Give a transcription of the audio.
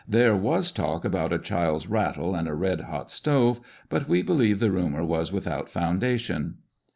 There was talk about a child's rattle and a red hot stove, but we believe the rumour was without foundation."